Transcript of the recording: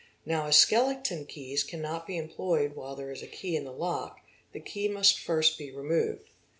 Now as skeleton keys cannot be employed while there is a key in the lock, the key must first be removed.